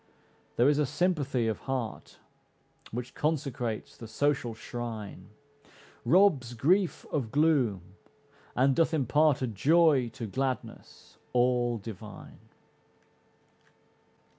There is a sympathy of heart Which consecrates the social shrine, Robs grief of gloom and doth impart A joy to gladness all divine.